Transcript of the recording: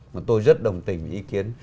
mà tôi rất đồng tình ý kiến